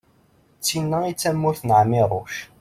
d tin-a i d tamurt n ԑmiruc